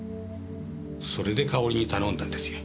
それでかおりに頼んだんですよ。